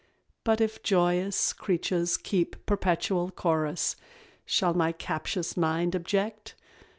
But if joyous creatures keep Perpetual chorus, shall my captious mind Object?